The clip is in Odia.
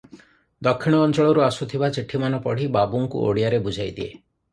ଦକ୍ଷିଣ ଅଞ୍ଚଳରୁ ଆସୁଥିବା ଚିଠିମାନ ପଢି ବାବୁଙ୍କୁ ଓଡିଆରେ ବୁଝାଇ ଦିଏ ।